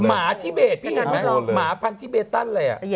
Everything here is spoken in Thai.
หมาทิเบตพี่เห็นไหมหมาพันธุ์ทิเบตตั้นเลย